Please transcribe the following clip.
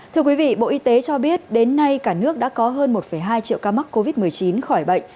thưa quý vị bộ y tế cho biết đến nay cả nước đã có hơn một hai triệu ca mắc covid một mươi chín khỏi bệnh